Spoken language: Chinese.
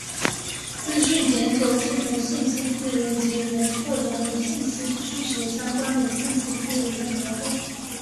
资讯检索是从信息资源集合获得与信息需求相关的信息资源的活动。